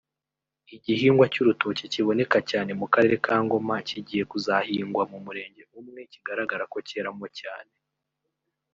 Igihingwa cy’urutoki kiboneka cyane mu karere kaNgoma kigiye kuzahingwa mu murenge umwe kigaragara ko cyeramo cyane